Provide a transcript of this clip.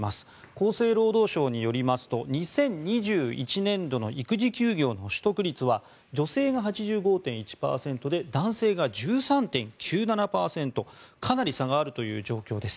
厚生労働省によりますと２０２１年度の育児休業の取得率は女性が８５．１％で男性が１３．９７％かなり差があるという状況です。